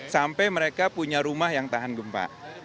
sampai mereka punya rumah yang tahan gempa